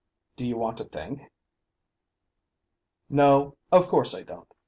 Do you want to think?" "No, of course I don't.